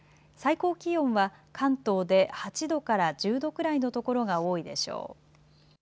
最高気温は関東で８度から１０度ぐらいの所が多いでしょう。